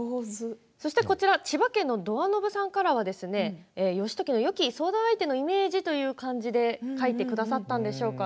そして千葉県の方からは義時のよき相談相手のイメージという感じで描いてくださったんでしょうか。